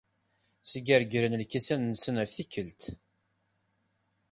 Sgergren lkisan-nsen ɣef tikkelt.